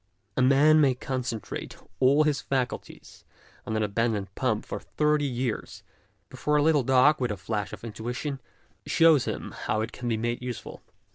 A man may concentrate all his faculties on an abandoned pump for thirty years, before a little dog, with a flash of TRAITORS OF ART 85 intuition, shows him how it can be made useful.